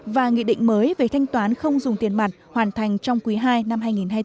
và nghị định mới về thanh toán không dùng tiền mặt hoàn thành trong quý ii năm hai nghìn hai mươi bốn